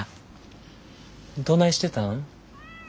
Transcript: どないしてたん？